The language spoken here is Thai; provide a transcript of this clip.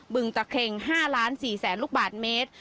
ึงตะเครง๕๔๐๐๐ลูกบาทเมตร